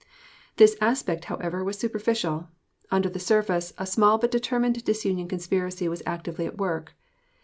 This aspect, however, was superficial. Under the surface, a small but determined disunion conspiracy was actively at work.